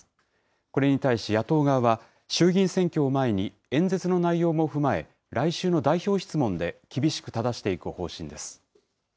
これに対し野党側は、衆議院選挙を前に、演説の内容も踏まえ、来週の代表質問で厳しくただしていく方針です。